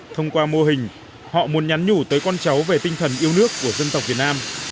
thông qua mô hình họ muốn nhắn nhủ tới con cháu về tinh thần yêu nước của dân tộc việt nam